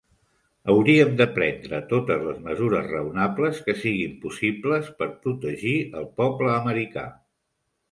Hauríem de prendre totes les mesures raonables que siguin possibles per protegir el poble americà.